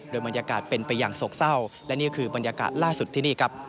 โดยบรรยากาศเป็นไปอย่างโศกเศร้าและนี่คือบรรยากาศล่าสุดที่นี่ครับ